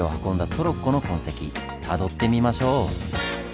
トロッコの痕跡たどってみましょう！